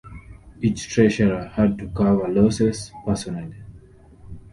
Each treasurer had to cover losses personally.